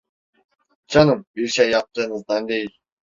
Canım, bir şey yaptığınızdan değil.